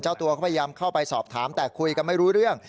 เจ้าตัวก็พยายามเข้าไปสอบถามแต่คุยกันไม่รู้เรื่อง